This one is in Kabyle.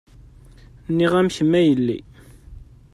Nniɣ-am kemm a yelli.